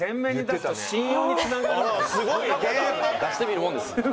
出してみるもんですね。